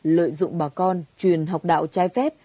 lợi dụng bà con truyền học đạo trái phép